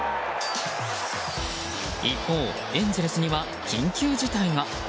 一方、エンゼルスには緊急事態が。